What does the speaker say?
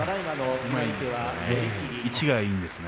うまいんですね